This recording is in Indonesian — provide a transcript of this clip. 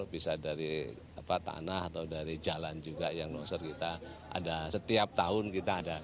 bisa dari tanah atau dari jalan juga yang longsor kita ada setiap tahun kita ada